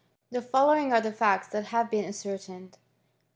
The following are tibii facts that have been ascertained : 1.